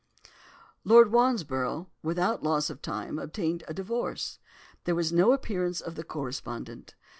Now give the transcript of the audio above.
"Lord Wandsborough without loss of time obtained a divorce. There was no appearance of the co respondent.